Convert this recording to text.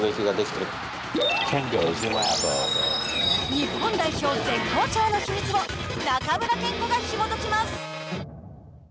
日本代表、絶好調の秘密を中村憲剛がひもときます。